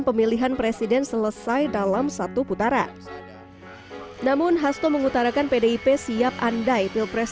pemilihan presiden selesai dalam satu putaran namun hasto mengutarakan pdip siap andai pilpres